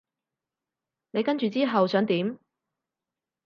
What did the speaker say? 你跟住之後想點？